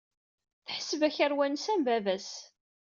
Teḥseb akerwa-nnes am baba-s.